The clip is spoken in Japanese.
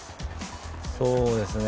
そうですね。